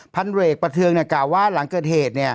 พันเวกประเทืองกล่าวว่าหลังเกิดเหตุ